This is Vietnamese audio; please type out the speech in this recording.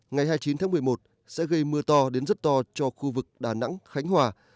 ngày hai mươi chín tháng một mươi một sẽ gây mưa to đến rất to cho khu vực đà nẵng khánh hòa